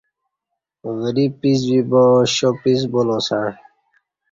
وری پیس بیبا شاپیس بولاسسݩع